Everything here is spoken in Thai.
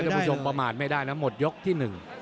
ก็บุจมประมาทไม่ได้นะหมดยกที่๑